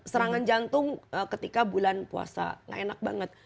serangan jantung ketika bulan puasa gak enak banget